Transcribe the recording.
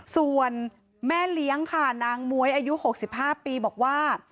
ส่วนแม่เลี้ยงค่ะนางม้วยอายุ๖๕ปีบอกว่า